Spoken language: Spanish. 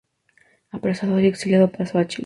Apresado y exiliado, pasó a Chile.